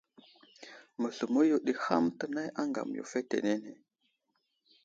Məsləmo yo ɗi ham tənay aŋgam yo fetenene.